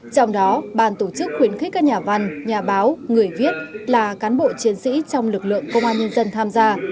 trong đó bàn tổ chức khuyến khích các nhà văn nhà báo người viết là cán bộ chiến sĩ trong lực lượng công an nhân dân tham gia